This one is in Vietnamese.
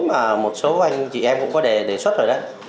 mà một số anh chị em cũng có đề xuất rồi đấy